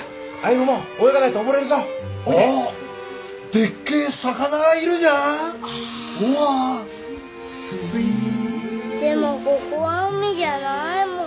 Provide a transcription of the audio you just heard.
でもここは海じゃないもん。